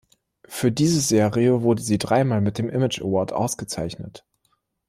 Für diese Serie wurde sie drei Mal mit dem Image Award ausgezeichnet.